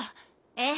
ええ。